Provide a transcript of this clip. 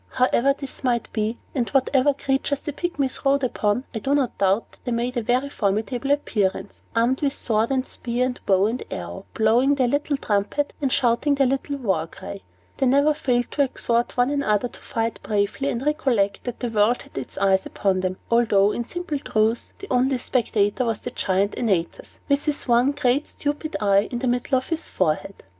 However this might be, and whatever creatures the Pygmies rode upon, I do not doubt that they made a formidable appearance, armed with sword and spear, and bow and arrow, blowing their tiny trumpet, and shouting their little war cry. They never failed to exhort one another to fight bravely, and recollect that the world had its eyes upon them; although, in simple truth, the only spectator was the Giant Antaeus, with his one, great, stupid eye in the middle of his forehead.